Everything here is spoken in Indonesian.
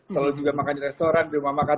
selalu juga makan di restoran di rumah makan